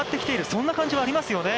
そんな感じはありますよね。